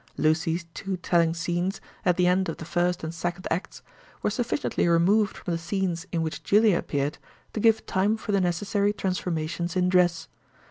Lucy's two telling scenes, at the end of the first and second acts, were sufficiently removed from the scenes in which Julia appeared to give time for the necessary transformations in dress.